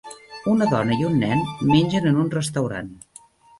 Una dona i un nen mengen en un restaurant.